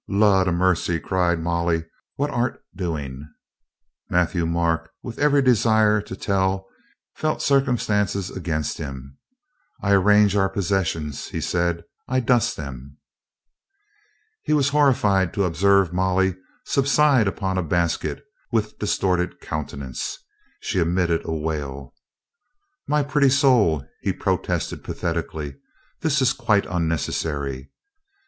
"Lud a mercy!" cried Molly. "What art doing?" Matthieu Marc with every desire to tell a He felt circumstances against him. "I — I arrange our pos sessions," he said. "I — I dust them." He was horrified to observe Molly subside upon a basket with distorted countenance. She emitted a wail. "My pretty soul !" he protested pathetically. "This is quite unnecessary.